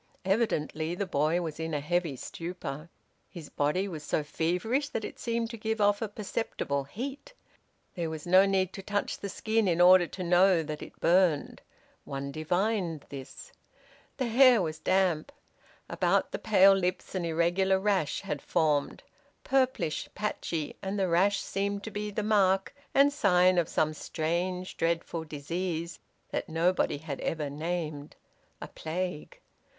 Evidently the boy was in a heavy stupor. His body was so feverish that it seemed to give off a perceptible heat. There was no need to touch the skin in order to know that it burned: one divined this. The hair was damp. About the pale lips an irregular rash had formed, purplish, patchy, and the rash seemed to be the mark and sign of some strange dreadful disease that nobody had ever named: a plague.